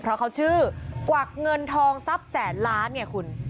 เพราะเขาชื่อกวักเงินทองซับแสนล้านเนี่ยคุณ